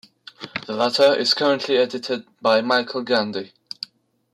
The latter is currently edited by Michael Gandy.